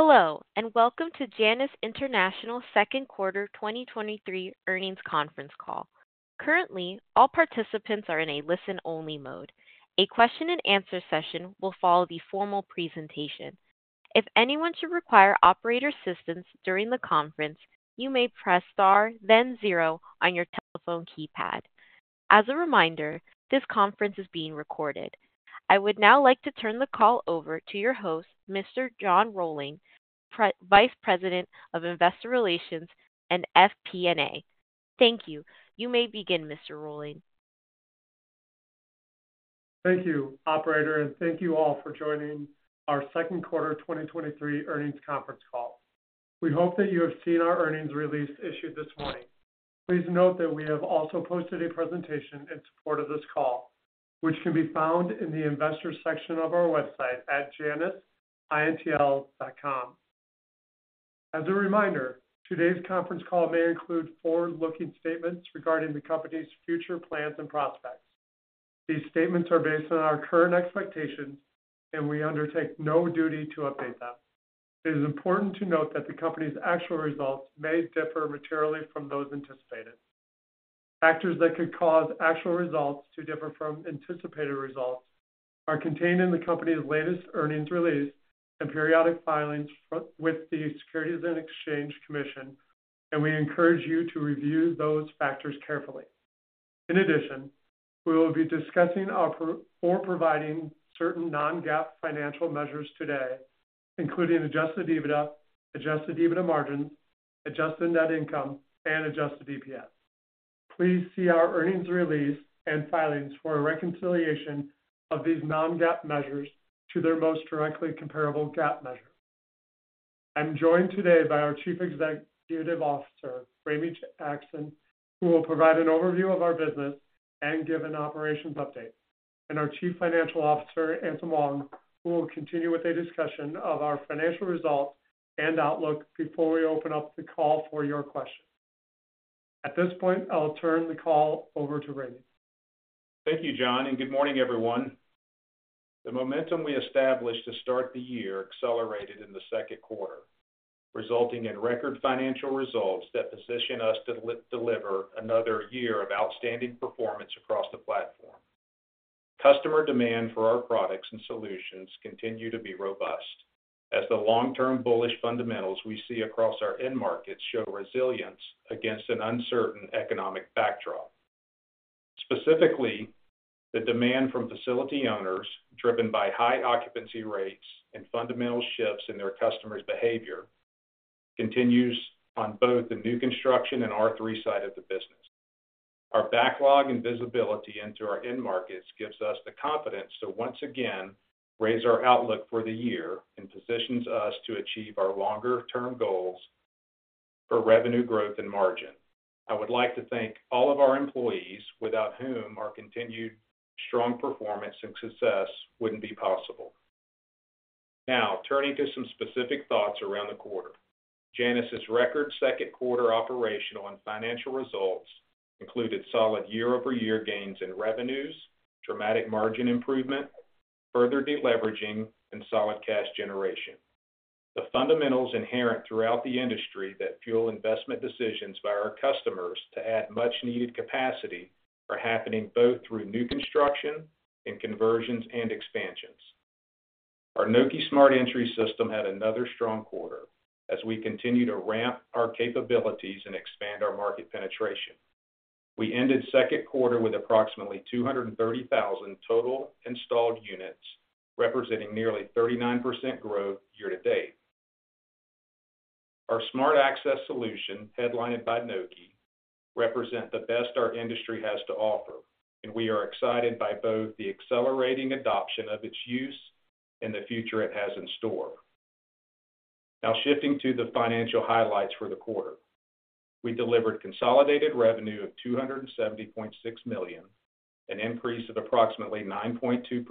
Hello, welcome to Janus International Second Quarter 2023 Earnings Conference Call. Currently, all participants are in a listen-only mode. A question and answer session will follow the formal presentation. If anyone should require operator assistance during the conference, you may press Star, then zero on your telephone keypad. As a reminder, this conference is being recorded. I would now like to turn the call over to your host, Mr. John Rohlwing, Vice President of Investor Relations and FP&A. Thank you. You may begin, Mr. Rohlwing. Thank you, operator. Thank you all for joining our second quarter 2023 earnings conference call. We hope that you have seen our earnings release issued this morning. Please note that we have also posted a presentation in support of this call, which can be found in the investors section of our website at janusintl.com. As a reminder, today's conference call may include forward-looking statements regarding the company's future plans and prospects. These statements are based on our current expectations. We undertake no duty to update them. It is important to note that the company's actual results may differ materially from those anticipated. Factors that could cause actual results to differ from anticipated results are contained in the company's latest earnings release and periodic filings with the Securities and Exchange Commission. We encourage you to review those factors carefully. We will be discussing or providing certain non-GAAP financial measures today, including adjusted EBITDA, adjusted EBITDA margin, adjusted net income, and adjusted EPS. Please see our earnings release and filings for a reconciliation of these non-GAAP measures to their most directly comparable GAAP measure. I'm joined today by our Chief Executive Officer, Ramey Jackson, who will provide an overview of our business and give an operations update, and our Chief Financial Officer, Anselm Wong, who will continue with a discussion of our financial results and outlook before we open up the call for your questions. At this point, I'll turn the call over to Ramey. Thank you, John. Good morning, everyone. The momentum we established to start the year accelerated in the second quarter, resulting in record financial results that position us to deliver another year of outstanding performance across the platform. Customer demand for our products and solutions continue to be robust as the long-term bullish fundamentals we see across our end markets show resilience against an uncertain economic backdrop. Specifically, the demand from facility owners, driven by high occupancy rates and fundamental shifts in their customers' behavior, continues on both the new construction and R3 side of the business. Our backlog and visibility into our end markets gives us the confidence to once again raise our outlook for the year and positions us to achieve our longer-term goals for revenue growth and margin. I would like to thank all of our employees, without whom our continued strong performance and success wouldn't be possible. Now, turning to some specific thoughts around the quarter. Janus's record second quarter operational and financial results included solid year-over-year gains in revenues, dramatic margin improvement, further deleveraging, and solid cash generation. The fundamentals inherent throughout the industry that fuel investment decisions by our customers to add much-needed capacity are happening both through new construction and conversions and expansions. Our Nokē Smart Entry system had another strong quarter as we continue to ramp our capabilities and expand our market penetration. We ended second quarter with approximately 230,000 total installed units, representing nearly 39% growth year to date. Our smart access solution, headlined by Nokē, represent the best our industry has to offer, and we are excited by both the accelerating adoption of its use and the future it has in store. Shifting to the financial highlights for the quarter. We delivered consolidated revenue of $270.6 million, an increase of approximately 9.2%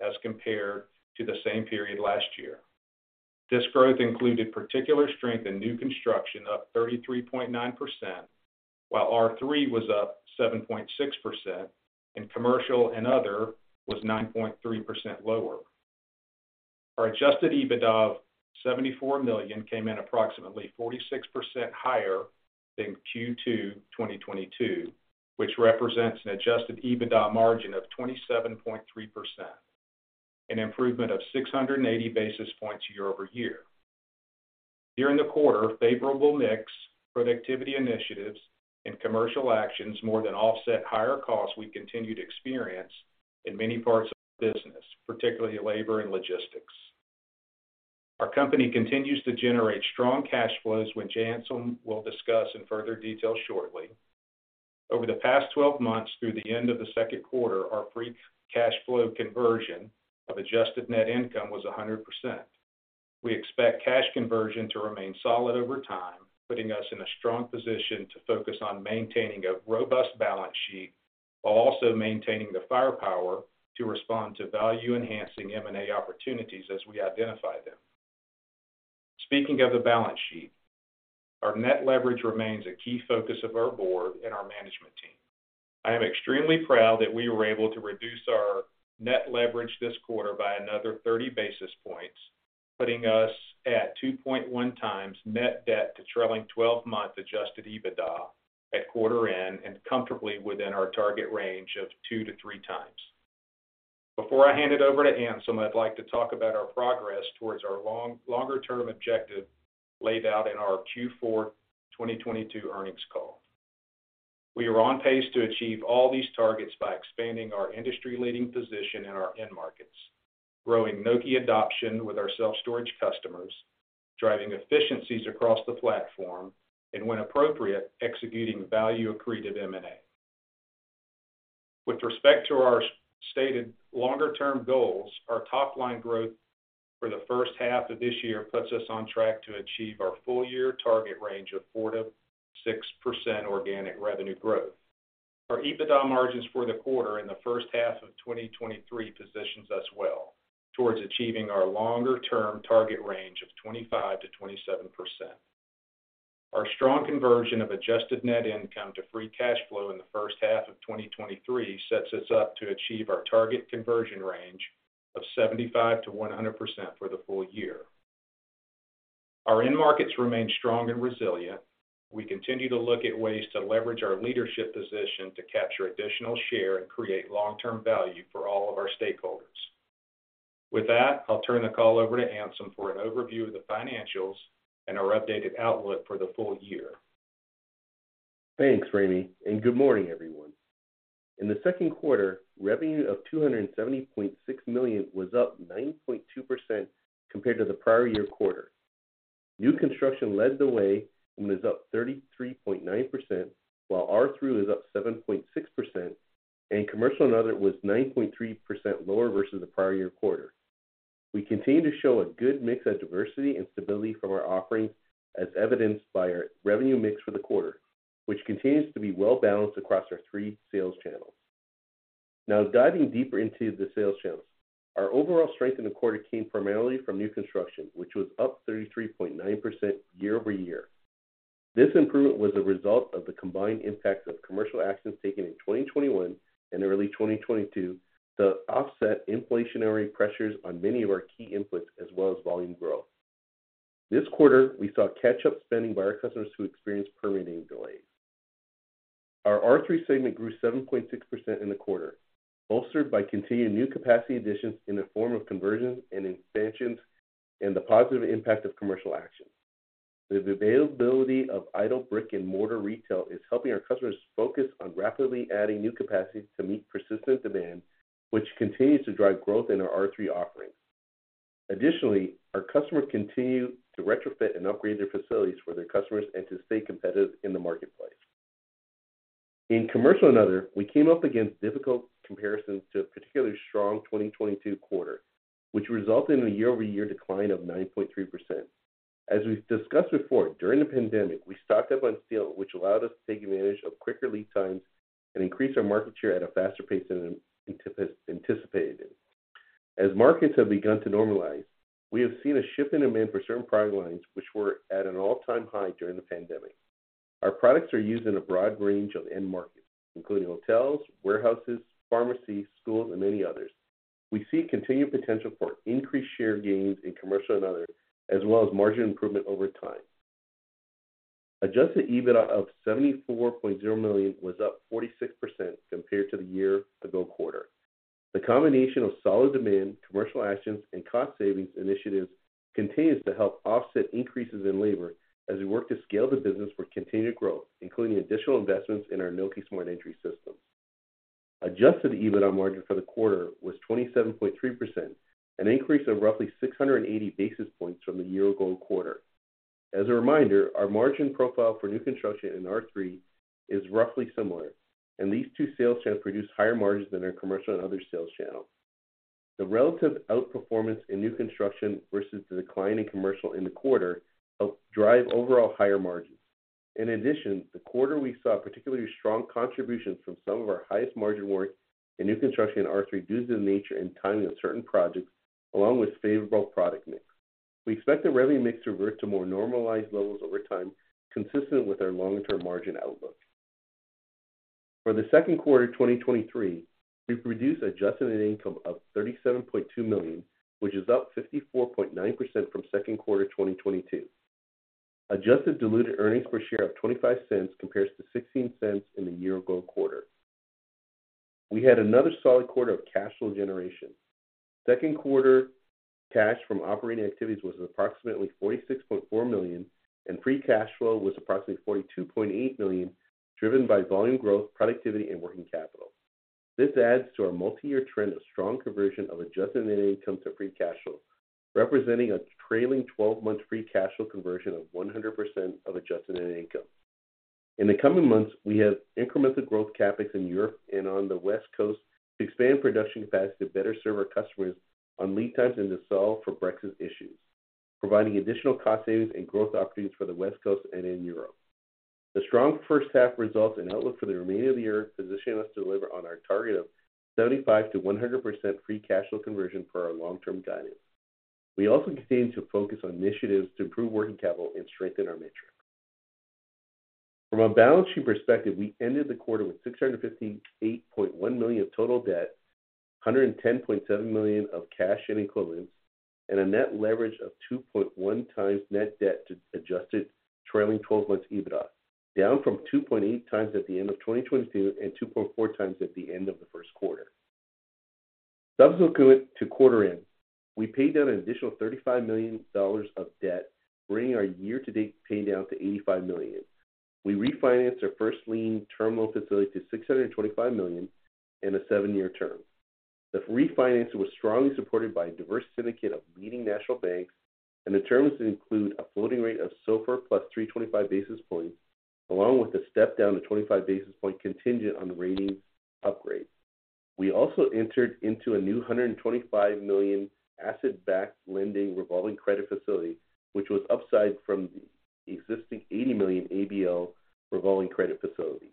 as compared to the same period last year. This growth included particular strength in new construction, up 33.9%, while R3 was up 7.6%, and commercial and other was 9.3% lower. Our adjusted EBITDA of $74 million came in approximately 46% higher than Q2 2022, which represents an adjusted EBITDA margin of 27.3%, an improvement of 680 basis points year-over-year. During the quarter, favorable mix, productivity initiatives, and commercial actions more than offset higher costs we continue to experience in many parts of the business, particularly labor and logistics. Our company continues to generate strong cash flows, which Anselm will discuss in further detail shortly. Over the past 12 months through the end of the second quarter, our free cash flow conversion of adjusted net income was 100%. We expect cash conversion to remain solid over time, putting us in a strong position to focus on maintaining a robust balance sheet while also maintaining the firepower to respond to value-enhancing M&A opportunities as we identify them. Speaking of the balance sheet. Our net leverage remains a key focus of our board and our management team. I am extremely proud that we were able to reduce our net leverage this quarter by another 30 basis points, putting us at 2.1 times net debt to trailing twelve-month adjusted EBITDA at quarter end, and comfortably within our target range of 2-3 times. Before I hand it over to Anselm, I'd like to talk about our progress towards our long, longer term objective laid out in our Q4 2022 earnings call. We are on pace to achieve all these targets by expanding our industry leading position in our end markets, growing Nokē adoption with our self-storage customers, driving efficiencies across the platform, and when appropriate, executing value accretive M&A. With respect to our stated longer term goals, our top line growth for the first half of this year puts us on track to achieve our full year target range of 4%-6% organic revenue growth. Our EBITDA margins for the quarter in the first half of 2023 positions us well towards achieving our longer term target range of 25%-27%. Our strong conversion of adjusted net income to free cash flow in the first half of 2023 sets us up to achieve our target conversion range of 75%-100% for the full year. Our end markets remain strong and resilient. We continue to look at ways to leverage our leadership position to capture additional share and create long-term value for all of our stakeholders. With that, I'll turn the call over to Anselm for an overview of the financials and our updated outlook for the full year. Thanks, Ramey, and good morning, everyone. In the second quarter, revenue of $270.6 million was up 9.2% compared to the prior year quarter. New construction led the way and was up 33.9%, while R3 was up 7.6%, and commercial and other was 9.3% lower versus the prior year quarter. We continue to show a good mix of diversity and stability from our offerings, as evidenced by our revenue mix for the quarter, which continues to be well balanced across our three sales channels. Now, diving deeper into the sales channels, our overall strength in the quarter came primarily from new construction, which was up 33.9% year-over-year. This improvement was a result of the combined impact of commercial actions taken in 2021 and early 2022 to offset inflationary pressures on many of our key inputs, as well as volume growth. This quarter, we saw catch-up spending by our customers who experienced permitting delays. Our R3 segment grew 7.6% in the quarter, bolstered by continuing new capacity additions in the form of conversions and expansions and the positive impact of commercial action. The availability of idle brick and mortar retail is helping our customers focus on rapidly adding new capacity to meet persistent demand, which continues to drive growth in our R3 offerings. Additionally, our customers continue to retrofit and upgrade their facilities for their customers and to stay competitive in the marketplace. In commercial and other, we came up against difficult comparisons to a particularly strong 2022 quarter, which resulted in a year-over-year decline of 9.3%. As we've discussed before, during the pandemic, we stocked up on steel, which allowed us to take advantage of quicker lead times and increase our market share at a faster pace than anticipated. As markets have begun to normalize, we have seen a shift in demand for certain product lines, which were at an all-time high during the pandemic. Our products are used in a broad range of end markets, including hotels, warehouses, pharmacies, schools, and many others. We see continued potential for increased share gains in commercial and other, as well as margin improvement over time. Adjusted EBITDA of $74.0 million was up 46% compared to the year ago quarter. The combination of solid demand, commercial actions, and cost savings initiatives continues to help offset increases in labor as we work to scale the business for continued growth, including additional investments in our Nokē Smart Entry system. Adjusted EBITDA margin for the quarter was 27.3%, an increase of roughly 680 basis points from the year ago quarter. As a reminder, our margin profile for new construction in R3 is roughly similar, and these two sales channels produce higher margins than our commercial and other sales channels. The relative outperformance in new construction versus the decline in commercial in the quarter help drive overall higher margins. In addition, the quarter we saw particularly strong contributions from some of our highest margin work in new construction in R3, due to the nature and timing of certain projects, along with favorable product mix. We expect the revenue mix to revert to more normalized levels over time, consistent with our long-term margin outlook. For the second quarter of 2023, we've reduced adjusted net income of $37.2 million, which is up 54.9% from second quarter 2022. Adjusted diluted earnings per share of $0.25 compares to $0.16 in the year ago quarter. We had another solid quarter of cash flow generation. Second quarter cash from operating activities was approximately $46.4 million, and free cash flow was approximately $42.8 million, driven by volume growth, productivity, and working capital. This adds to our multi-year trend of strong conversion of adjusted net income to free cash flow, representing a trailing twelve-month free cash flow conversion of 100% of adjusted net income. In the coming months, we have incremental growth CapEx in Europe and on the West Coast to expand production capacity to better serve our customers on lead times and to solve for Brexit issues, providing additional cost savings and growth opportunities for the West Coast and in Europe. The strong first half results and outlook for the remaining of the year position us to deliver on our target of 75% to 100% free cash flow conversion for our long-term guidance. We also continue to focus on initiatives to improve working capital and strengthen our metric. From a balance sheet perspective, we ended the quarter with $658.1 million of total debt, $110.7 million of cash and equivalents, and a net leverage of 2.1x net debt to adjusted trailing 12 months EBITDA, down from 2.8x at the end of 2022, and 2.4x at the end of the first quarter. Subsequent to quarter end. We paid down an additional $35 million of debt, bringing our year-to-date pay down to $85 million. We refinanced our first lien term loan facility to $625 million and a 7-year term. The refinancing was strongly supported by a diverse syndicate of leading national banks, and the terms include a floating rate of SOFR plus 325 basis points, along with a step down to 25 basis point contingent on rating upgrade. We also entered into a new $125 million asset-backed lending revolving credit facility, which was upside from the existing $80 million ABL revolving credit facility.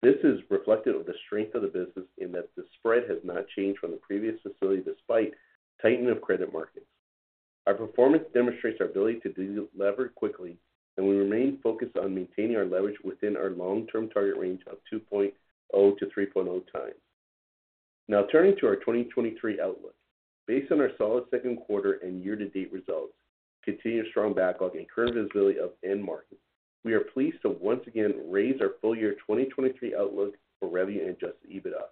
This is reflective of the strength of the business in that the spread has not changed from the previous facility despite tightening of credit markets. Our performance demonstrates our ability to delever quickly. We remain focused on maintaining our leverage within our long-term target range of 2.0-3.0x. Now, turning to our 2023 outlook. Based on our solid second quarter and year-to-date results, continued strong backlog and current visibility of end markets, we are pleased to once again raise our full year 2023 outlook for revenue and adjusted EBITDA.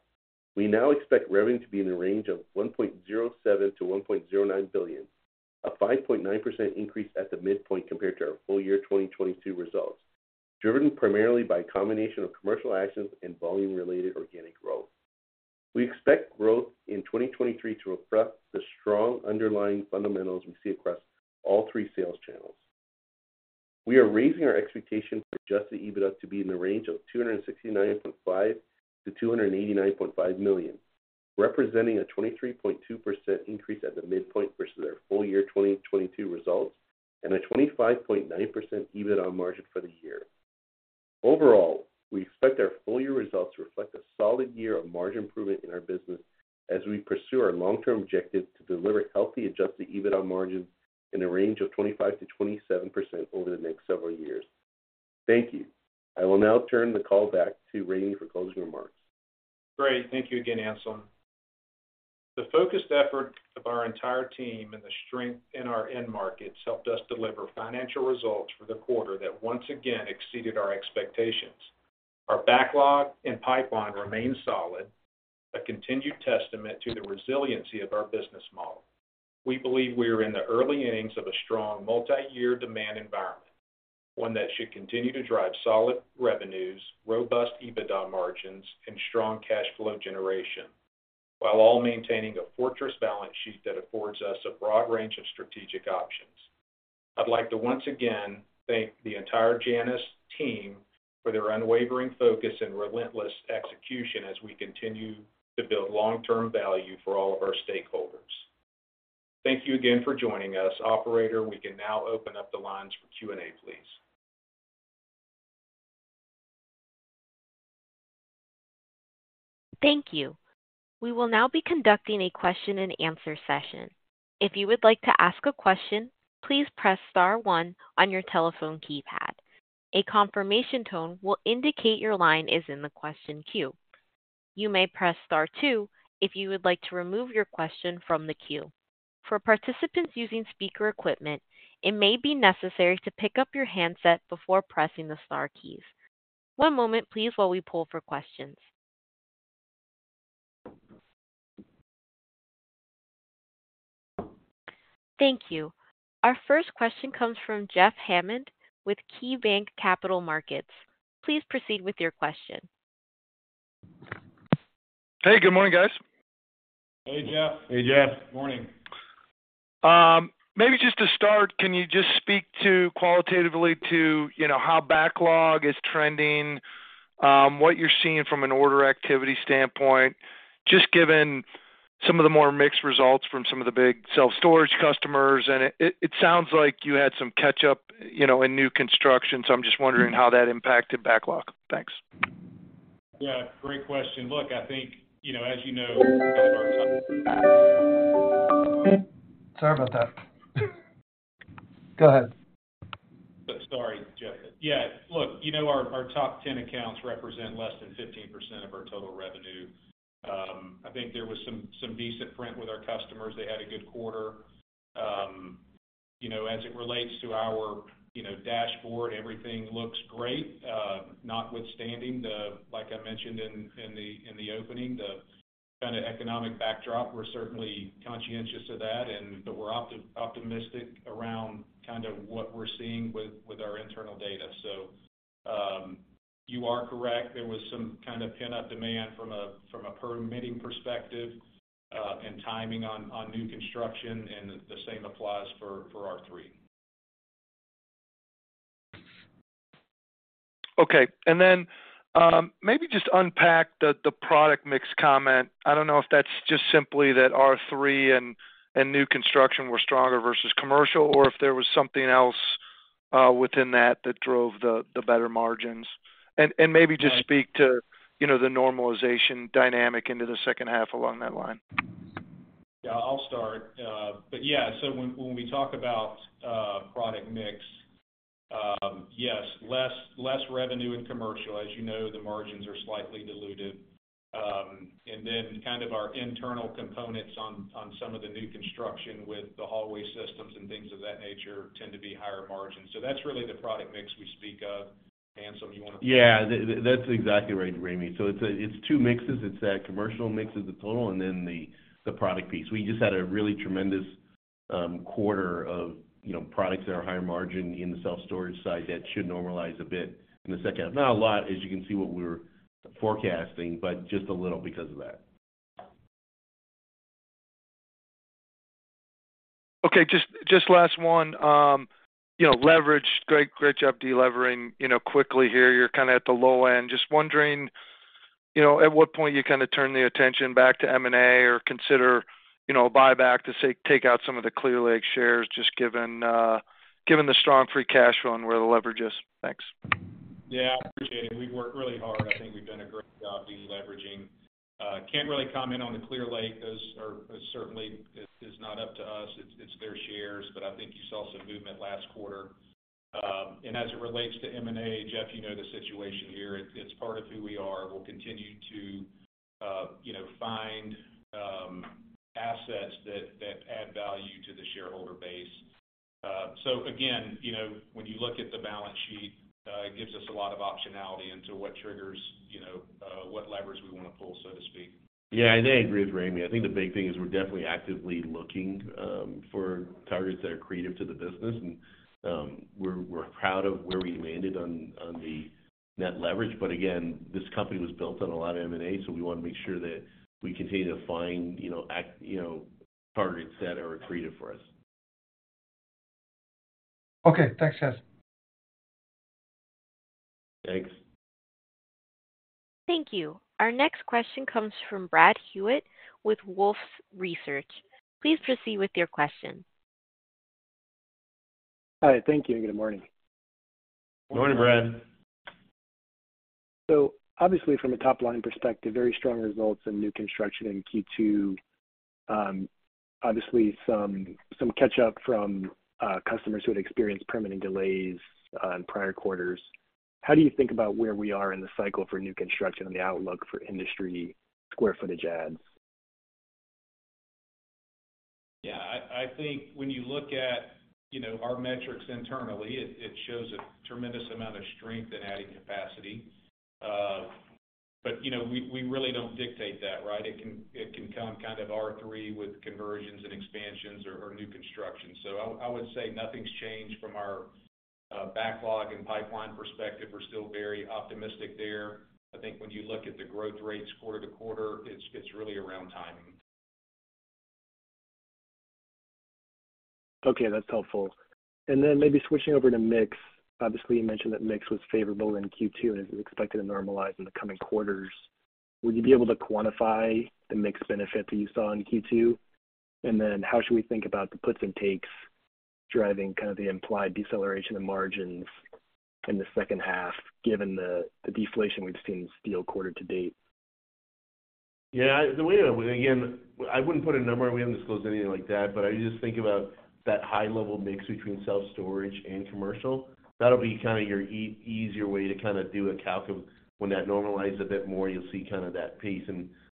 We now expect revenue to be in the range of $1.07 billion-$1.09 billion, a 5.9% increase at the midpoint compared to our full year 2022 results, driven primarily by a combination of commercial actions and volume-related organic growth. We expect growth in 2023 to reflect the strong underlying fundamentals we see across all three sales channels. We are raising our expectation for adjusted EBITDA to be in the range of $269.5 million-$289.5 million, representing a 23.2% increase at the midpoint versus our full year 2022 results, and a 25.9% EBITDA margin for the year. We expect our full year results to reflect a solid year of margin improvement in our business as we pursue our long-term objective to deliver healthy adjusted EBITDA margins in a range of 25%-27% over the next several years. Thank you. I will now turn the call back to Ramey for closing remarks. Great. Thank you again, Anselm. The focused effort of our entire team and the strength in our end markets helped us deliver financial results for the quarter that once again exceeded our expectations. Our backlog and pipeline remain solid, a continued testament to the resiliency of our business model. We believe we are in the early innings of a strong multi-year demand environment, one that should continue to drive solid revenues, robust EBITDA margins, and strong cash flow generation, while all maintaining a fortress balance sheet that affords us a broad range of strategic options. I'd like to once again thank the entire Janus team for their unwavering focus and relentless execution as we continue to build long-term value for all of our stakeholders. Thank you again for joining us. Operator, we can now open up the lines for Q&A, please. Thank you. We will now be conducting a question-and-answer session. If you would like to ask a question, please press star one on your telephone keypad. A confirmation tone will indicate your line is in the question queue. You may press Star two if you would like to remove your question from the queue. For participants using speaker equipment, it may be necessary to pick up your handset before pressing the star keys. One moment, please, while we pull for questions. Thank you. Our first question comes from Jeffrey Hammond with KeyBanc Capital Markets. Please proceed with your question. Hey, good morning, guys. Hey, Jeff. Hey, Jeff. Morning. Maybe just to start, can you just speak to, qualitatively to, you know, how backlog is trending, what you're seeing from an order activity standpoint, just given some of the more mixed results from some of the big self-storage customers, and it, it, it sounds like you had some catch up, you know, in new construction, so I'm just wondering how that impacted backlog? Thanks. Yeah, great question. Look, I think, you know, as you know, Sorry about that. Go ahead. Sorry, Jeff. Yeah, look, you know, our, our top 10 accounts represent less than 15% of our total revenue. I think there was some, some decent print with our customers. They had a good quarter. You know, as it relates to our, you know, dashboard, everything looks great, notwithstanding the. Like I mentioned in, in the, in the opening, the kind of economic backdrop, we're certainly conscientious of that, and but we're opti-optimistic around kind of what we're seeing with, with our internal data. You are correct, there was some kind of pent-up demand from a, from a permitting perspective, and timing on, on new construction, and the same applies for, for R3. Okay. Maybe just unpack the product mix comment. I don't know if that's just simply that R3 and new construction were stronger versus commercial, or if there was something else? within that, that drove the, the better margins? And maybe just speak to, you know, the normalization dynamic into the second half along that line. Yeah, I'll start. Yeah, when, when we talk about product mix. Yes, less, less revenue in commercial. As you know, the margins are slightly diluted. Kind of our internal components on, on some of the new construction with the hallway systems and things of that nature, tend to be higher margin. That's really the product mix we speak of. Anselm, you wanna-. Yeah, that's exactly right, Ramey. It's, it's two mixes. It's that commercial mix is the total, and then the, the product piece. We just had a really tremendous quarter of, you know, products that are higher margin in the self-storage side that should normalize a bit in the second half. Not a lot, as you can see what we're forecasting, but just a little because of that. Okay, just, just last one. You know, leverage. Great, great job delevering, you know, quickly here. You're kind of at the low end. Just wondering, you know, at what point you kind of turn the attention back to M&A or consider, you know, a buyback to say, take out some of the Clearlake shares, just given, given the strong free cash flow and where the leverage is? Thanks. Yeah, appreciate it. We've worked really hard. I think we've done a great job deleveraging. can't really comment on the Clearlake. Those are. That certainly is not up to us, it's their shares, but I think you saw some movement last quarter. As it relates to M&A, Jeff, you know the situation here. It's part of who we are. We'll continue to, you know, find assets that, that add value to the shareholder base. Again, you know, when you look at the balance sheet, it gives us a lot of optionality into what triggers, you know, what levers we wanna pull, so to speak. Yeah, I agree with Ramey. I think the big thing is we're definitely actively looking for targets that are accretive to the business. We're, we're proud of where we landed on, on the net leverage. Again, this company was built on a lot of M&A, so we wanna make sure that we continue to find, you know, act, you know, targets that are accretive for us. Okay, thanks, guys. Thanks. Thank you. Our next question comes from Bradley Hewitt with Wolfe Research. Please proceed with your question. Hi, thank you, good morning. Morning, Brad. Morning. Obviously, from a top-line perspective, very strong results in new construction in Q2. Obviously some, some catch-up from customers who had experienced permitting delays in prior quarters. How do you think about where we are in the cycle for new construction and the outlook for industry square footage adds? Yeah, I, I think when you look at, you know, our metrics internally, it, it shows a tremendous amount of strength in adding capacity. You know, we, we really don't dictate that, right? It can, it can come kind of R3 with conversions and expansions or, or new construction. I, I would say nothing's changed from our backlog and pipeline perspective. We're still very optimistic there. I think when you look at the growth rates quarter to quarter, it's, it's really around timing. Okay, that's helpful. Then maybe switching over to mix. Obviously, you mentioned that mix was favorable in Q2 and is expected to normalize in the coming quarters. Would you be able to quantify the mix benefit that you saw in Q2? Then how should we think about the puts and takes driving kind of the implied deceleration of margins in the second half, given the, the deflation we've seen in steel quarter to date? Yeah, the way, again, I wouldn't put a number, and we haven't disclosed anything like that, but I just think about that high level mix between self-storage and commercial. That'll be kind of your easier way to kind of do a calc of when that normalizes a bit more, you'll see kind of that pace.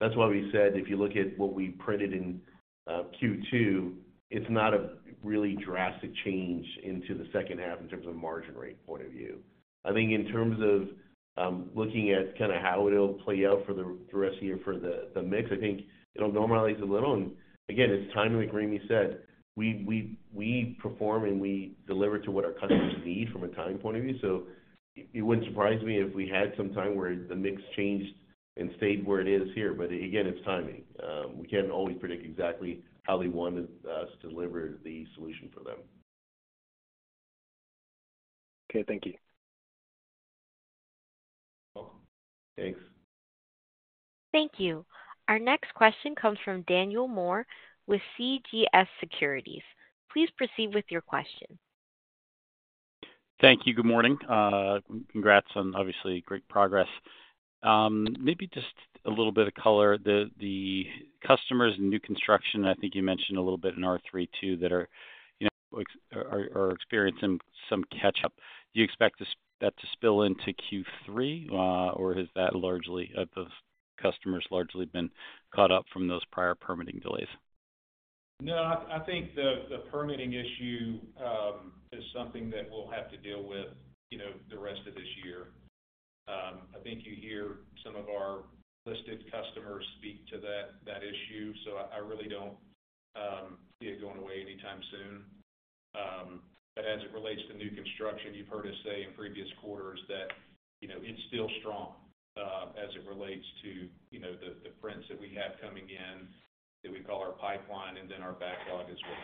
That's why we said, if you look at what we printed in Q2, it's not a really drastic change into the second half in terms of margin rate point of view. I think in terms of looking at kind of how it'll play out for the rest of the year for the mix, I think it'll normalize a little. Again, it's timing, like Ramey said, we, we, we perform and we deliver to what our customers need from a timing point of view. It wouldn't surprise me if we had some time where the mix changed and stayed where it is here. Again, it's timing. We can't always predict exactly how they want us to deliver the solution for them. Okay, thank you. Welcome. Thanks. Thank you. Our next question comes from Daniel Moore with CJS Securities. Please proceed with your question. Thank you. Good morning. congrats on obviously great progress. Maybe just a little bit of color. The, the customers and new construction, I think you mentioned a little bit in R3 too, that are, you know, are, are experiencing some catch-up. Do you expect this, that to spill into Q3, or has that largely, those customers largely been caught up from those prior permitting delays? I, I think the, the permitting issue is something that we'll have to deal with, you know, the rest of this year. I think you hear some of our listed customers speak to that, that issue, so I, I really don't see it going away anytime soon. As it relates to new construction, you've heard us say in previous quarters that, you know, it's still strong, as it relates to, you know, the, the prints that we have coming in, that we call our pipeline and then our backlog as well.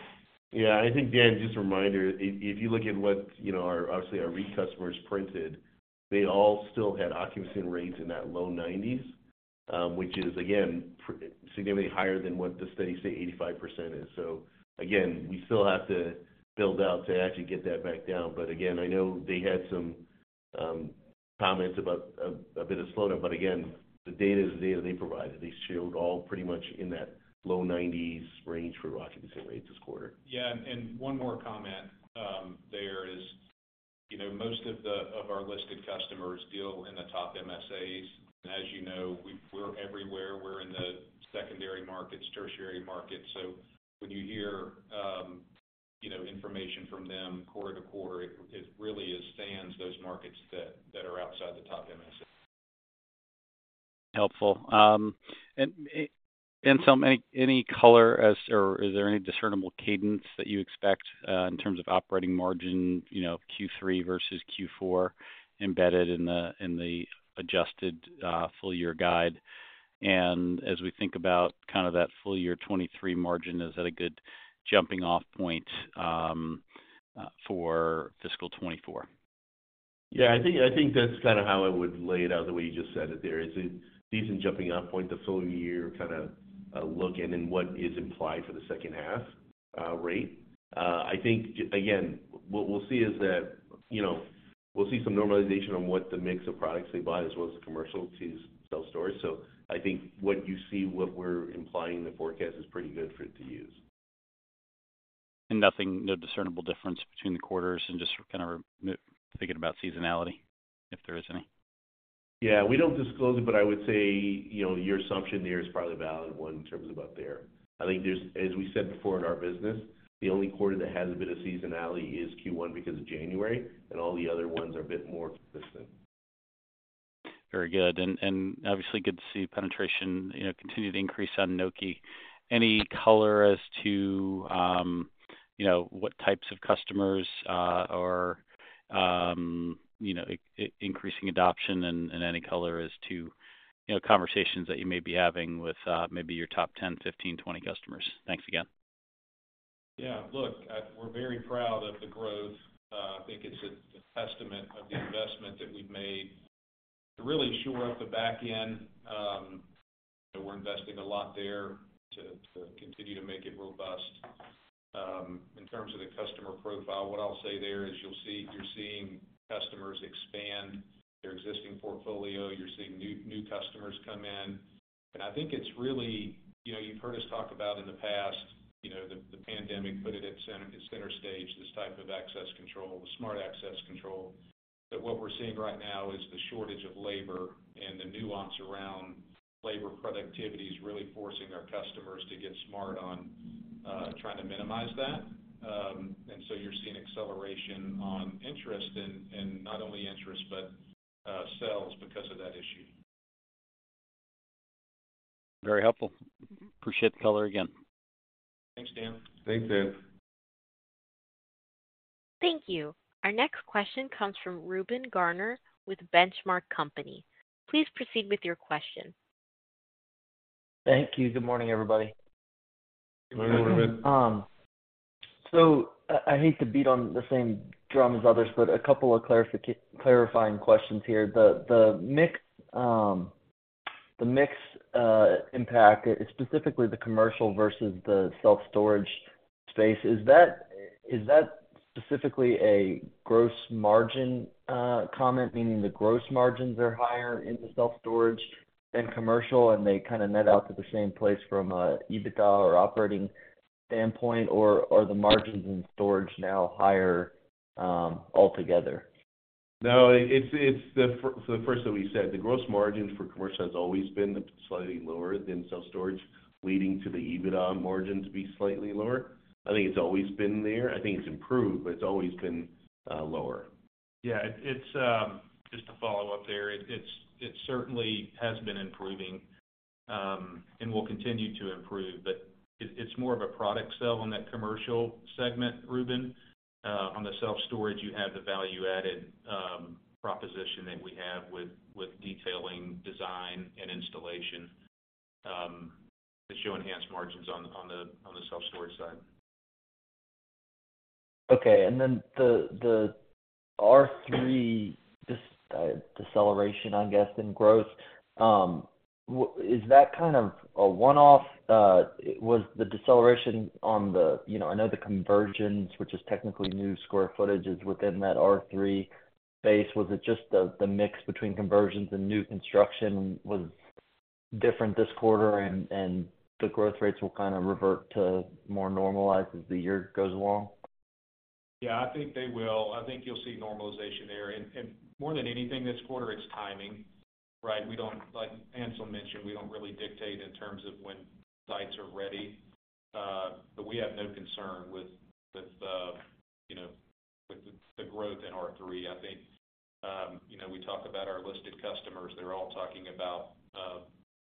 Yeah, I think, Dan, just a reminder, if, if you look at what, you know, our, obviously, our REIT customers printed, they all still had occupancy rates in that low nineties, which is again, significantly higher than what the studies say 85% is. Again, we still have to build out to actually get that back down. Again, I know they had some comments about a bit of slowdown, but again, the data is the data they provided. They showed all pretty much in that low nineties range for occupancy rates this quarter. Yeah, and one more comment, there is, you know, most of the, of our listed customers deal in the top MSAs. As you know, we're everywhere. We're in the secondary markets, tertiary markets. When you hear, you know, information from them quarter to quarter, it really spans those markets that are outside the top MSAs. Helpful. Any, any color as to or is there any discernible cadence that you expect, in terms of operating margin, you know, Q3 versus Q4, embedded in the, in the adjusted, full year guide? As we think about kind of that full year 2023 margin, is that a good jumping off point for fiscal 2024? Yeah, I think, I think that's kind of how I would lay it out, the way you just said it there. It's a decent jumping off point, the full year kind of, look in, and what is implied for the second half, rate. I think, again, what we'll see is that, you know, we'll see some normalization on what the mix of products they buy, as well as the commercial to self-storage. I think what you see, what we're implying in the forecast is pretty good for it to use. Nothing, no discernible difference between the quarters and just kind of rethinking about seasonality, if there is any? Yeah, we don't disclose it, but I would say, you know, your assumption there is probably a valid one in terms of out there. I think there's. As we said before in our business, the only quarter that has a bit of seasonality is Q1 because of January, and all the other ones are a bit more consistent. Very good. And obviously, good to see penetration, you know, continue to increase on Nokē. Any color as to, you know, what types of customers are, you know, increasing adoption, and, and any color as to, you know, conversations that you may be having with maybe your top 10, 15, 20 customers? Thanks again. Yeah, look, we're very proud of the growth. I think it's a testament of the investment that we've made to really shore up the back end. We're investing a lot there to continue to make it robust. In terms of the customer profile, what I'll say there is you're seeing customers expand their existing portfolio. You're seeing new, new customers come in, and I think it's really. You know, you've heard us talk about in the past, you know, the pandemic put it at center, center stage, this type of access control, the smart access control. What we're seeing right now is the shortage of labor and the nuance around labor productivity is really forcing our customers to get smart on, trying to minimize that. So you're seeing acceleration on interest, and, and not only interest, but sales because of that issue. Very helpful. Appreciate the color again. Thanks, Dan. Thanks, Dan. Thank you. Our next question comes from Reuben Garner with Benchmark Company. Please proceed with your question. Thank you. Good morning, everybody. Good morning, Reuben. Good morning. I, I hate to beat on the same drum as others, but a couple of clarifying questions here. The mix impact, specifically the commercial versus the self-storage space, is that, is that specifically a gross margin comment? Meaning the gross margins are higher in the self-storage than commercial, and they kind of net out to the same place from a EBITDA or operating standpoint, or are the margins in storage now higher, altogether? No, it's, it's the first thing we said, the gross margin for commercial has always been slightly lower than self-storage, leading to the EBITDA margin to be slightly lower. I think it's always been there. I think it's improved, but it's always been lower. Yeah, it's, just to follow up there, it's, it certainly has been improving, and will continue to improve, but it, it's more of a product sell on that commercial segment, Reuben. On the self-storage, you have the value-added proposition that we have with, with detailing, design, and installation, that show enhanced margins on the, on the, on the self-storage side. Okay, then the R3 deceleration, I guess, in growth, is that kind of a one-off? Was the deceleration on the. You know, I know the conversions, which is technically new square footage, is within that R3 base. Was it just the mix between conversions and new construction was different this quarter, and the growth rates will kind of revert to more normalized as the year goes along? Yeah, I think they will. I think you'll see normalization there. And more than anything, this quarter, it's timing, right? Like Ansel mentioned, we don't really dictate in terms of when sites are ready, but we have no concern with, with, you know, with the, the growth in R3. I think, you know, we talk about our listed customers. They're all talking about,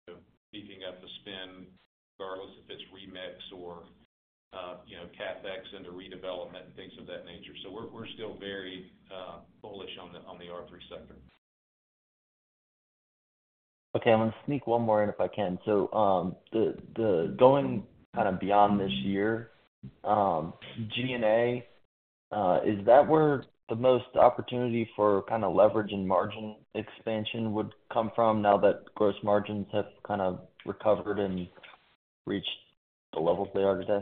you know, sneaking up the spend, regardless if it's remix or, you know, CapEx into redevelopment and things of that nature. We're, we're still very bullish on the, on the R3 sector. Okay, I'm going to sneak one more in, if I can. Going kind of beyond this year, G&A, is that where the most opportunity for kind of leverage and margin expansion would come from now that gross margins have kind of recovered and reached the levels they are today?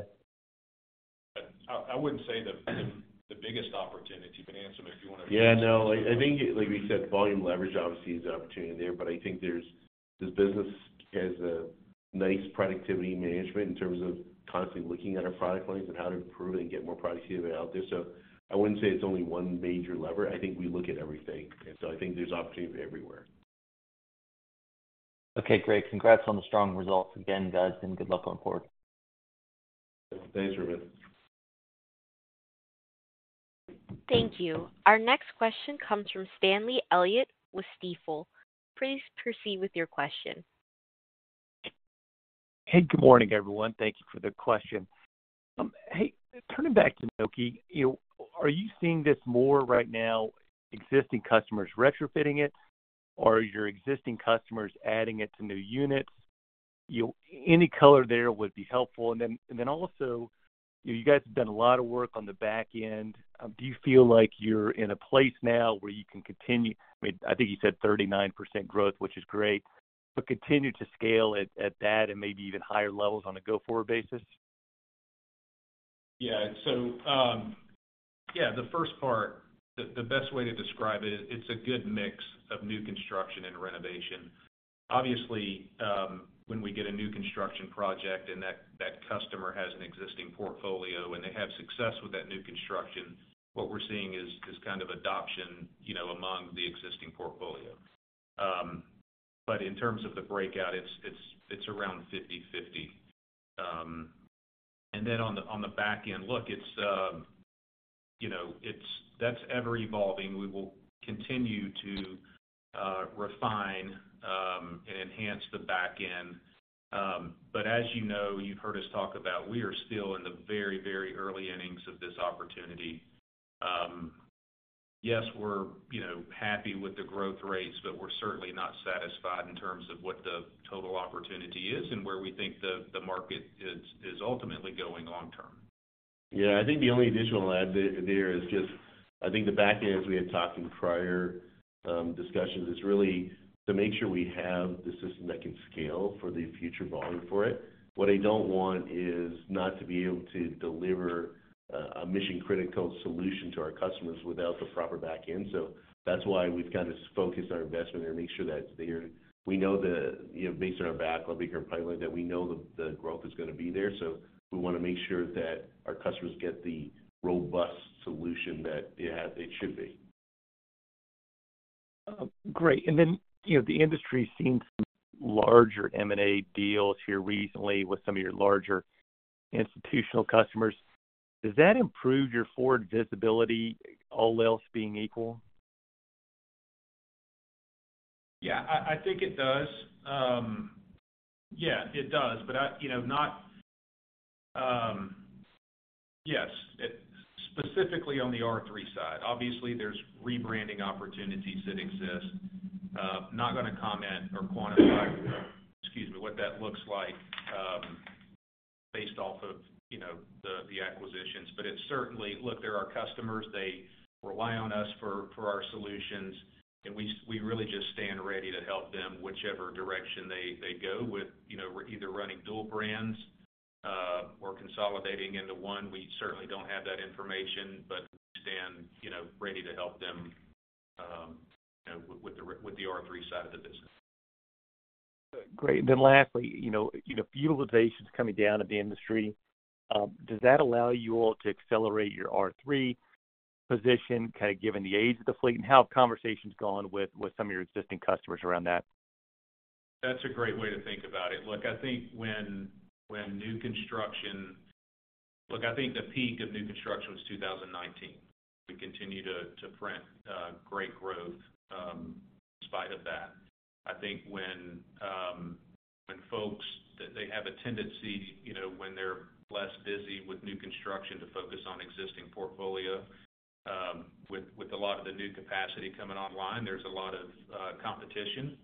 I, I wouldn't say the, the, the biggest opportunity. You can answer me if you wanna. Yeah, no, I, I think, like we said, volume leverage obviously is an opportunity there, but I think there's, this business has a nice productivity management in terms of constantly looking at our product lines and how to improve it and get more productivity out there. I wouldn't say it's only one major lever. I think we look at everything, and so I think there's opportunity everywhere. Okay, great. Congrats on the strong results again, guys, and good luck going forward. Thanks, Ruben. Thank you. Our next question comes from Stanley Elliott with Stifel. Please proceed with your question. Hey, good morning, everyone. Thank you for the question. Hey, turning back to Nokē, you know, are you seeing this more right now, existing customers retrofitting it, or are your existing customers adding it to new units? You know, any color there would be helpful. Also, you guys have done a lot of work on the back end. Do you feel like you're in a place now where you can continue I mean, I think you said 39% growth, which is great, but continue to scale it at that and maybe even higher levels on a go-forward basis? Yeah. Yeah, the first part, the, the best way to describe it is it's a good mix of new construction and renovation. Obviously, when we get a new construction project and that, that customer has an existing portfolio, and they have success with that new construction, what we're seeing is, is kind of adoption, you know, among the existing portfolio. In terms of the breakout, it's, it's, it's around 50/50. Then on the, on the back end, look, you know, that's ever-evolving. We will continue to refine and enhance the back end. As you know, you've heard us talk about, we are still in the very, very early innings of this opportunity. Yes, we're, you know, happy with the growth rates, but we're certainly not satisfied in terms of what the total opportunity is and where we think the, the market is, is ultimately going long term. Yeah, I think the only additional I'd add there is just, I think the back end, as we had talked in prior discussions, is really to make sure we have the system that can scale for the future volume for it. What I don't want is not to be able to deliver a mission-critical solution to our customers without the proper back end. That's why we've kind of focused our investment and make sure that it's there. We know that, you know, based on our backlog, bigger pipeline, that we know the growth is gonna be there, so we wanna make sure that our customers get the robust solution that it has, it should be. Great. you know, the industry's seen some larger M&A deals here recently with some of your larger institutional customers. Does that improve your forward visibility, all else being equal? Yeah, I, I think it does. Yeah, it does, but, you know, not. Yes, specifically on the R3 side. Obviously, there's rebranding opportunities that exist. Not gonna comment or quantify, excuse me, what that looks like, based off of, you know, the, the acquisitions, but Look, they're our customers. They rely on us for, for our solutions, and we, we really just stand ready to help them whichever direction they, they go with. You know, we're either running dual brands, or consolidating into one. We certainly don't have that information, but we stand, you know, ready to help them, with, with the, with the R3 side of the business. Great. Then lastly, you know, you know, utilization's coming down in the industry. Does that allow you all to accelerate your R3 position, kind of given the age of the fleet, and how have conversations gone with, with some of your existing customers around that? That's a great way to think about it. Look, I think the peak of new construction was 2019. We continue to print great growth in spite of that. I think when folks, they have a tendency, you know, when they're less busy with new construction, to focus on existing portfolio. With a lot of the new capacity coming online, there's a lot of competition.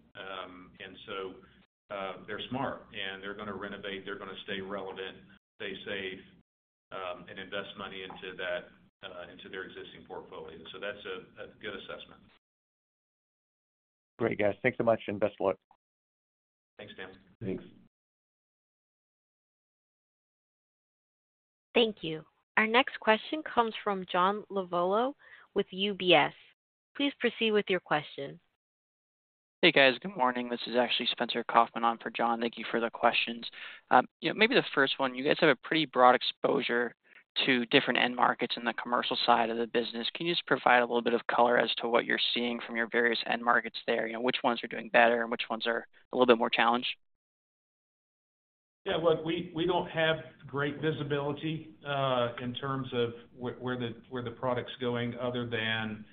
They're smart, and they're gonna renovate, they're gonna stay relevant, stay safe, and invest money into that, into their existing portfolio. That's a good assessment. Great, guys. Thanks so much, and best of luck. Thanks, Sam. Thanks. Thank you. Our next question comes from John Lovallo with UBS. Please proceed with your question. Hey, guys. Good morning. This is actually Spencer Kaufman on for John. Thank you for the questions. You know, maybe the first one, you guys have a pretty broad exposure to different end markets in the commercial side of the business. Can you just provide a little bit of color as to what you're seeing from your various end markets there? You know, which ones are doing better, and which ones are a little bit more challenged? Yeah, look, we, we don't have great visibility, in terms of where, where the, where the product's going, other than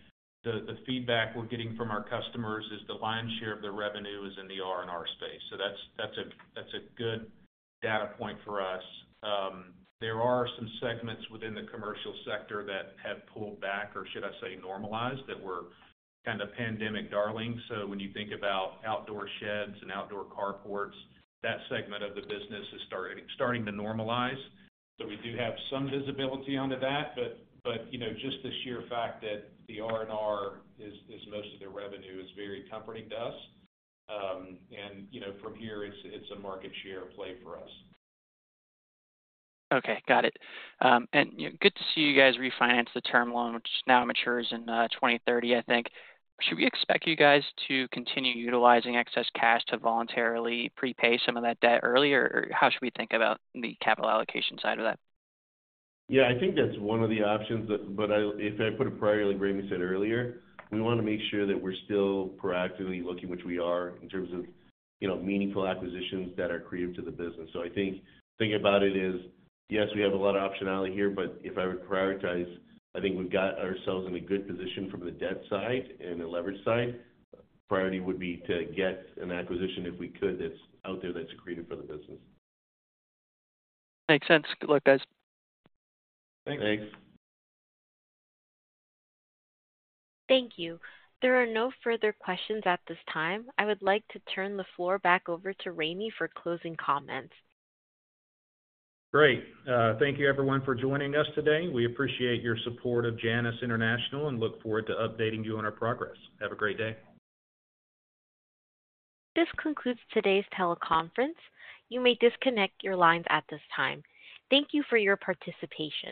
the, the feedback we're getting from our customers is the lion's share of the revenue is in the R&R space. That's, that's a, that's a good data point for us. There are some segments within the commercial sector that have pulled back, or should I say, normalized, that were kind of pandemic darlings. When you think about outdoor sheds and outdoor carports, that segment of the business is starting, starting to normalize. We do have some visibility onto that, but, but, you know, just the sheer fact that the R&R is, is most of their revenue is very comforting to us. And, you know, from here, it's, it's a market share play for us. Okay, got it. You know, good to see you guys refinance the term loan, which now matures in, 2030, I think. Should we expect you guys to continue utilizing excess cash to voluntarily prepay some of that debt earlier, or how should we think about the capital allocation side of that? Yeah, I think that's one of the options. I, if I put it prior, like Ramey said earlier, we wanna make sure that we're still proactively looking, which we are, in terms of, you know, meaningful acquisitions that are accretive to the business. I think thinking about it is, yes, we have a lot of optionality here, but if I would prioritize, I think we've got ourselves in a good position from the debt side and the leverage side. Priority would be to get an acquisition, if we could, that's out there, that's accretive for the business. Makes sense. Good luck, guys. Thanks. Thanks. Thank you. There are no further questions at this time. I would like to turn the floor back over to Ramey for closing comments. Great. Thank you everyone for joining us today. We appreciate your support of Janus International and look forward to updating you on our progress. Have a great day. This concludes today's teleconference. You may disconnect your lines at this time. Thank you for your participation.